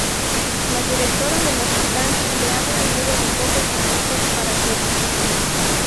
La directora del hospital le habla luego de pocos minutos para que regrese.